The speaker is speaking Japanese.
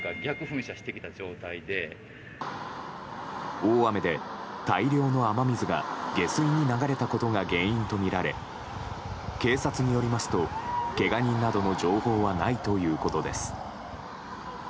大雨で大量の雨水が下水に流れたことが原因とみられ警察によりますとけが人などの情報はないということです。